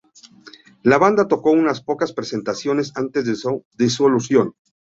La banda tocó unas pocas presentaciones antes de su disolución.